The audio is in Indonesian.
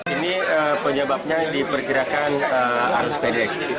ini penyebabnya diperkirakan arus pendek